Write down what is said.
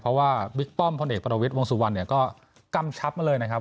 เพราะว่าบิ๊กป้อมพลเอกประวิทย์วงสุวรรณเนี่ยก็กำชับมาเลยนะครับ